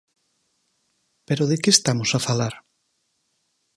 ¿Pero de que estamos a falar?